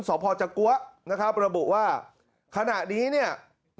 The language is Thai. สพจกัวนะครับระบุว่าขณะนี้เนี่ย